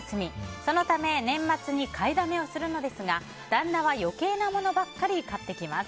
そのため年末に買いだめをするのですが旦那は余計なものばっかり買ってきます。